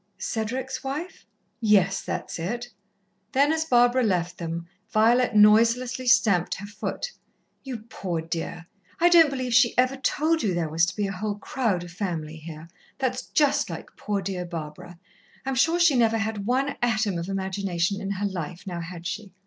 "Cedric's wife?" "Yes, that's it." Then, as Barbara left them, Violet noiselessly stamped her foot. "You poor dear! I don't believe she ever told you there was to be a whole crowd of family here. That's just like poor, dear Barbara! I'm sure she never had one atom of imagination in her life, now had she?